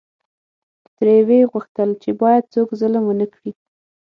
ترې وې غوښتل چې باید څوک ظلم ونکړي.